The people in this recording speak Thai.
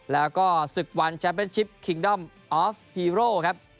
แล้วก็ศึกวันแชมเป็นชิปคิงดอมออฟฮีโร่ครับ